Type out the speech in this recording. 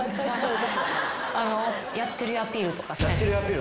やってるよアピールとか。